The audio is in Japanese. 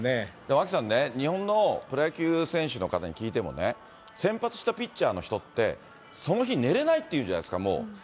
アキさんね、日本のプロ野球選手の方に聞いてもね、先発したピッチャーの人って、その日、寝れないっていうじゃないですか、もう。